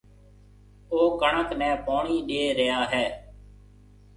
او ڪڻڪ نَي پوڻِي ڏيَ ريا هيَ۔